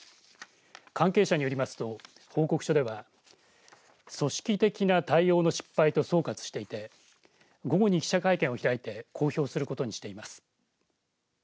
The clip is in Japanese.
関係者によりますと報告書では組織的な対応の失敗と総括していて午後に記者会見を開いて公表することにしています。